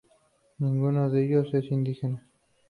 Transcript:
Ninguno de ellos es indígena.